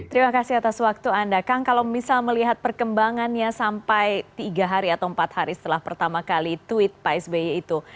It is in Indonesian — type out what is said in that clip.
terima kasih atas waktu anda kang kalau misal melihat perkembangannya sampai tiga hari atau empat hari setelah pertama kali tweet pak sby itu